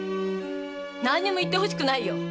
何も言ってほしくないよ！